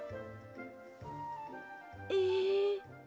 ええ。